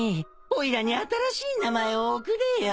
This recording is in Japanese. おいらに新しい名前をおくれよ。